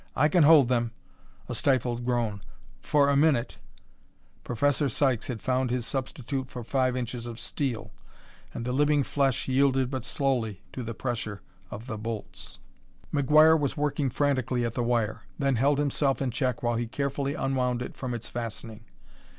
"I can hold them" a stifled groan "for a minute!" Professor Sykes had found his substitute for five inches of steel, and the living flesh yielded but slowly to the pressure of the bolts. McGuire was working frantically at the wire, then held himself in check while he carefully unwound it from its fastening.